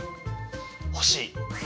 欲しい。